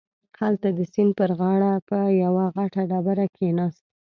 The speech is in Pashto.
هلته د سيند پر غاړه په يوه غټه ډبره کښېناسته.